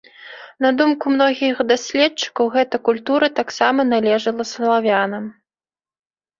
На думку многіх даследчыкаў, гэта культура таксама належала славянам.